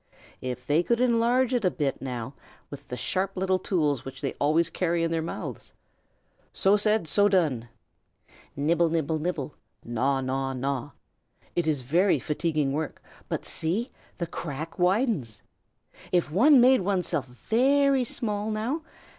If they could enlarge it a bit, now, with the sharp little tools which they always carry in their mouths! So said, so done! "Nibble! nibble! nibble! Gnaw! gnaw! gnaw!" It is very fatiguing work; but, see! the crack widens. If one made oneself very small, now?